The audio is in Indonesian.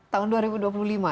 tahun dua ribu dua puluh lima